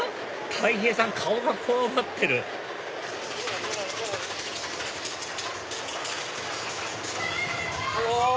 たい平さん顔がこわばってるうわわわわ！